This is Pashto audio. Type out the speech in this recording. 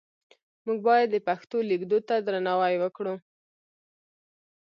موږ باید د پښتو لیک دود ته درناوی وکړو.